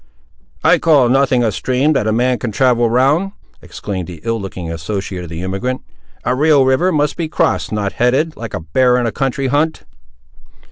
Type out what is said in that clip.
"I call nothing a stream that a man can travel round," exclaimed the ill looking associate of the emigrant: "a real river must be crossed; not headed, like a bear in a county hunt."